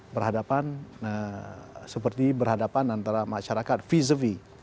berhadapan seperti berhadapan antara masyarakat vis a vis